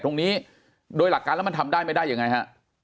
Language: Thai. ตรงนี้โดยหลักการแล้วมันทำได้ไม่ได้ยังไงฮะ